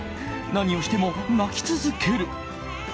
何をしても泣き続ける。